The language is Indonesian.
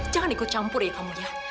jangan ikut campur ya kamu ya